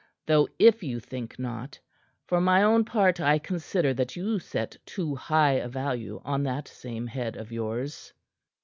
Though if you think not, for my own part I consider that you set too high a value on that same head of yours."